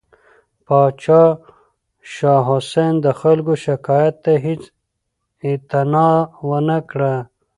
پاچا شاه حسین د خلکو شکایت ته هیڅ اعتنا ونه کړه.